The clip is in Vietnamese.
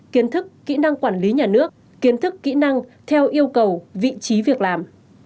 kiến thức kỹ năng quản lý nhà nước kiến thức kỹ năng theo yêu cầu vị trí việc làm